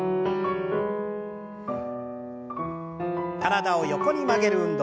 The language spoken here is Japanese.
体を横に曲げる運動。